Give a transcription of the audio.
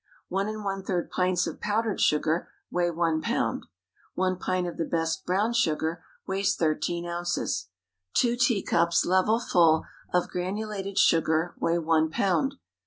One and one third pints of powdered sugar weigh one pound. One pint of the best brown sugar weighs thirteen ounces. Two teacups (level full) of granulated sugar weigh one pound.